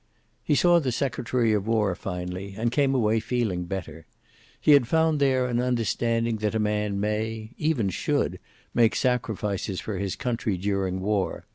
He saw the Secretary of War, finally, and came away feeling better. He had found there an understanding that a man may even should make sacrifices for his country during war.